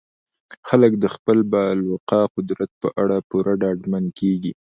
خلک د خپل بالقوه قدرت په اړه پوره ډاډمن کیږي.